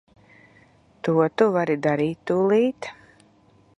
To tu vari darīt tūlīt.